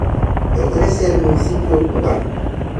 Pertenece al municipio Kubán.